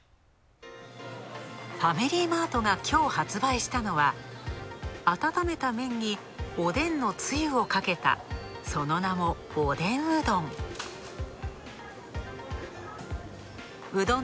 ファミリーマートがきょう発売したのは、温めた麺におでんのつゆをかけた、その名も、おでんうどん。